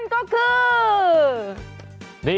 เจอหรือยังคนที่ใช่